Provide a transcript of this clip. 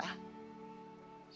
siapa tau masih bisa ketemu sama opi